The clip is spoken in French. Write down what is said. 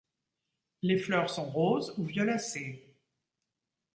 Les fleurs sont rose ou violacées.